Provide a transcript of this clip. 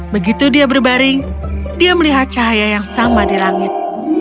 begitu dia berbaring dia melihat cahaya yang sama di langit